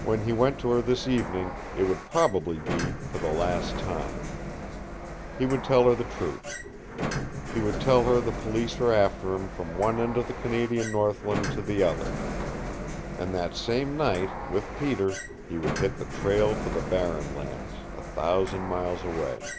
When he went to her this evening it would probably be for the last time. He would tell her the truth. He would tell her the police were after him from one end of the Canadian northland to the other. And that same night, with Peter, he would hit the trail for the Barren Lands, a thousand miles away.